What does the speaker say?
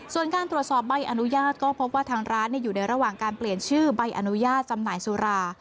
ส่วนการตรวจสอบใบอนุญาตก็พบว่าทางร้านอยู่ในระหว่างการเปลี่ยนชื่อใบอนุญาตจำหน่ายสุรา